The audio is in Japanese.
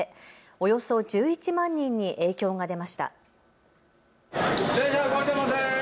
およそ１１万人に影響が出ました。